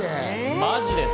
マジです。